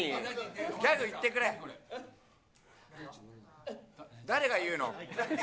・ギャグ言ってくれ・・誰が言うの？